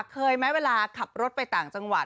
เคยไหมเวลาขับรถไปต่างจังหวัด